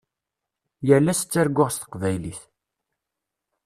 Yal ass ttarguɣ s teqbaylit.